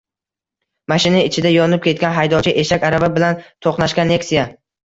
Mashina ichida yonib ketgan haydovchi, eshak arava bilan to‘qnashgan Nexia